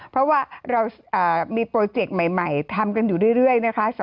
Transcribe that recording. เพราะว่าเรามีโปรเจกต์ใหม่ทำกันอยู่เรื่อยนะคะ